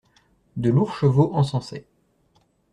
De lourds chevaux encensaient.